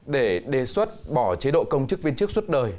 để đề xuất bỏ chế độ công chức viên chức suốt đời